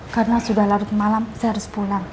karena sudah larut malam saya harus pulang